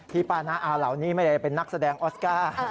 ป้าน้าอาเหล่านี้ไม่ได้เป็นนักแสดงออสการ์